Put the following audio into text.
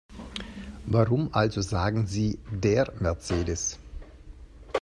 Warum also sagen Sie DER Mercedes?